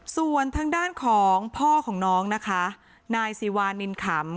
ส่วนทางด้านของพ่อของน้องนะคะนายซีวานินขำ